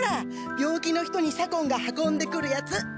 病気の人に左近が運んでくるやつ！